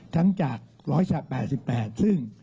ทั้งจาก๑๘๘ซึ่ง